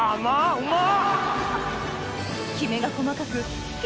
うまっ！